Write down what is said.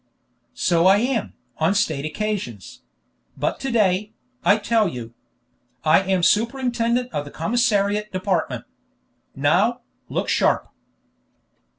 "So I am, on state occasions; but to day, I tell you. I am superintendent of the commissariat department. Now, look sharp!"